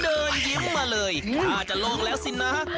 เดินยิ้มมาเลยถ้าจะโลกแล้วสินะ